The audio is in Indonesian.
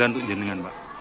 itu untuk jeningan pak